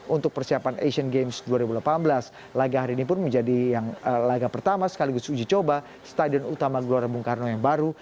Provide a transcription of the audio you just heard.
untuk persiapan asian games dua ribu delapan belas laga hari ini pun menjadi laga pertama sekaligus uji coba stadion utama gelora bung karno yang baru